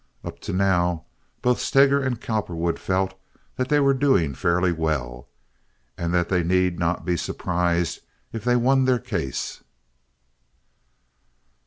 Up to now both Steger and Cowperwood felt that they were doing fairly well, and that they need not be surprised if they won their case.